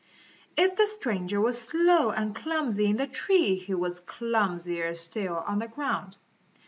If the stranger was slow and clumsy in the tree, he was clumsier still on the ground.